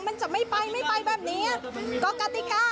มันจะไม่ไปแบบนี้ว่ากฆาติกา